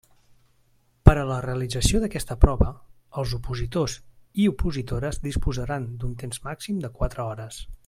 Per a la realització d'aquesta prova, els opositors i opositores disposaran d'un temps màxim de quatre hores.